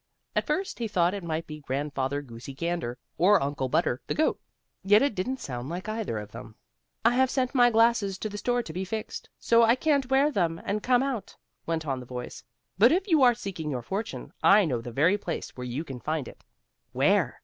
At first he thought it might be Grandfather Goosey Gander, or Uncle Butter, the goat, yet it didn't sound like either of them. "I have sent my glasses to the store to be fixed, so I can't wear them and come out," went on the voice. "But if you are seeking your fortune I know the very place where you can find it." "Where?"